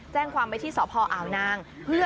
แจ้งความไว้ที่สพอ่าวนาง